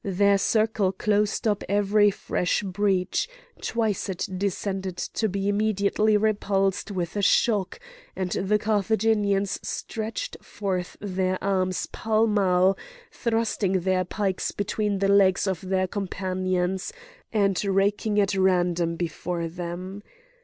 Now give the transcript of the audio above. Their circle closed up after every fresh breach; twice it descended to be immediately repulsed with a shock; and the Carthaginians stretched forth their arms pell mell, thrusting their pikes between the legs of their companions, and raking at random before them.